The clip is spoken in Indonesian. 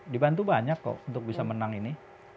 dibantu banyak kok untuk bisa menang ini